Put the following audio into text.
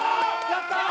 やったー！